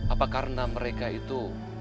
apa karena mereka itu